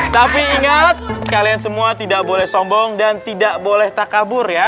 tapi ingat kalian semua tidak boleh sombong dan tidak boleh takabur